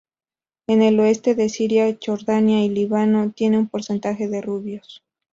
En el oeste de Siria, Jordania y Líbano, tienen un porcentaje de rubios.